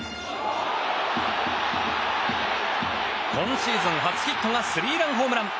今シーズン初ヒットがスリーランホームラン！